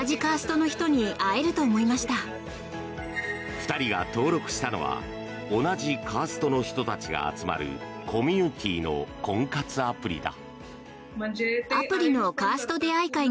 ２人が登録したのは同じカーストの人たちが集まるコミュニティーの婚活アプリだ。